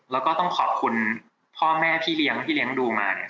แล้วก็ต้องขอบคุณพ่อแม่พี่เลี้ยงที่เลี้ยงดูมาเนี่ย